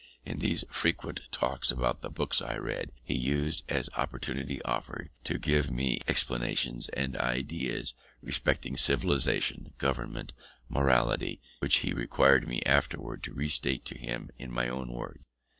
In these frequent talks about the books I read, he used, as opportunity offered, to give me explanations and ideas respecting civilization, government, morality, mental cultivation, which he required me afterwards to restate to him in my own words.